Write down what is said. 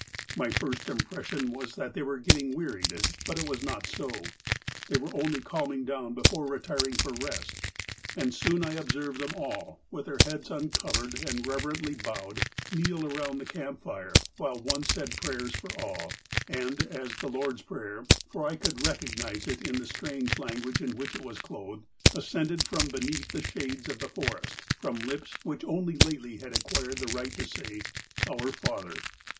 My first impression was that they were get ting wearied, but it was not so. They were only calming down before retiring for rest, and soon I observed them all, with their heads uncovered and reverently bowed, kneel around the camp fire, while one said prayers for all, and as the Lord's Prayer (for I could recognize it in the strange language in which it was clothed) ascended from beneath the shades of the forest, from lips which only lately had acquired the right to say ' Our Father